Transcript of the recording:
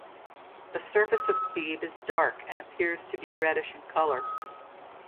The surface of Thebe is dark and appears to be reddish in color.